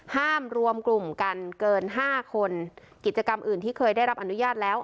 ห้ามรวมกลุ่มกันเกินห้าคนกิจกรรมอื่นที่เคยได้รับอนุญาตแล้ว